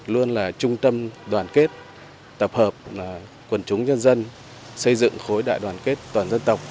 luôn là trung tâm đoàn kết tập hợp quần chúng nhân dân xây dựng khối đại đoàn kết toàn dân tộc